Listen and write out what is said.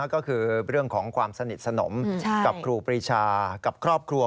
ก็คือเรื่องของความสนิทสนมกับครูปรีชากับครอบครัว